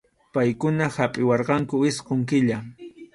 Paykuna hapʼiwarqanku isqun killa.